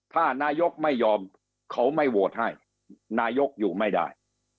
ถ้านายกไม่ยอมเขาไม่โหวตให้นายกอยู่ไม่ได้